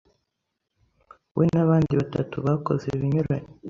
we n’abandi batatu bakoze ibinyuranye